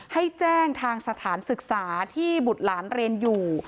ให้แจ้งทางสถานศึกษาที่บุตรหลานเรียนอยู่